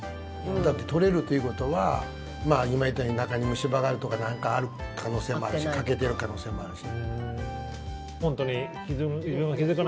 だって取れるということは今、言ったように中に虫歯があるとか何かある可能性もあるし欠けてる可能性もあるし。